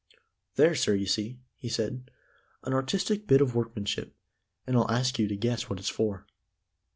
"There, sir, you see," he said, "an artistic bit of workmanship, and I'll ask you to guess what it's for."